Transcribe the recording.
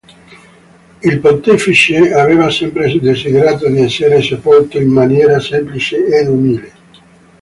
Il pontefice aveva sempre desiderato di essere sepolto in maniera semplice ed umile.